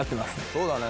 そうだね。